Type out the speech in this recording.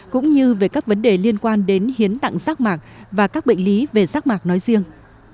cũng như về các vấn đề liên quan đến hiến tặng rác mạc và các bệnh lý về rác mạc nói riêng